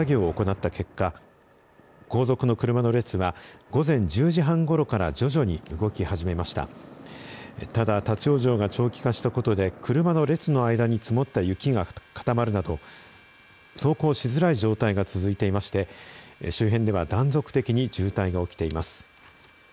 ただ、立往生が長期化したことで車の間に積もった雪が固まるなど走行しづらい状況が続いていまして周辺では断続的に渋滞が起きています。